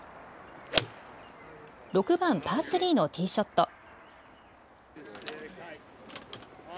６番パースリーのティーショット。